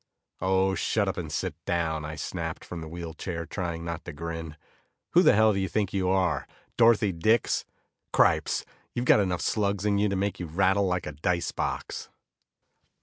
"Oh, shut up and sit down," I snapped from the wheelchair, trying not to grin, "Who the hell do you think you are Dorothy Dix! Cripes, you've got enough slugs in you to make you rattle like a dice box!"